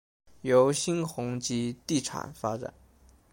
由新鸿基地产发展。